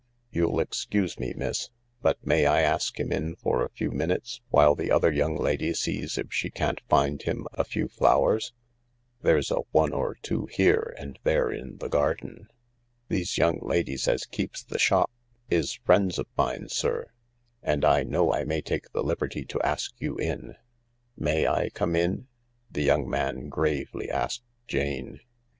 You'll excuse me, miss, but may I ask him in for a few minutes while the other young lady sees if she can't find him a few flowers ? There's a one or two here and there in the garden. These young ladies as keeps the shop is friends of mine, sir, and I know I may take the liberty to ask you in." " May I come in ?" the young man gravely a r ,ked Jane.